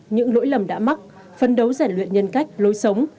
những lỗi lầm đã mắc phân đấu rèn luyện nhân cách lối sống